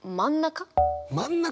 真ん中。